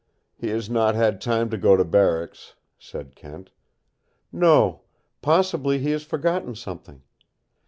"He has not had time to go to barracks," said Kent. "No. Possibly he has forgotten something.